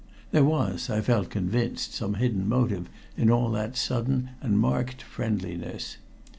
There was, I felt convinced, some hidden motive in all that sudden and marked friendliness.